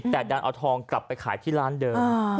แต่ดันเอาทองกลับไปขายที่ร้านเดิม